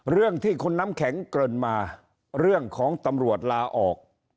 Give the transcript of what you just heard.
เรื่องที่คุณน้ำแข็งเกินมาเรื่องของตำรวจลาออก